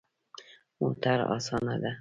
موټر اسانه ده